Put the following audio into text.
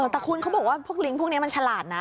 แต่คุณเขาบอกว่าพวกลิงก์พวกนี้มันฉลาดนะ